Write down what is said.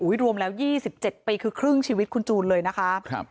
รวมแล้ว๒๗ปีคือครึ่งชีวิตคุณจูนเลยนะคะ